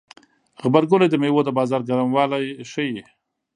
غبرګولی د میوو د بازار ګرموالی ښيي.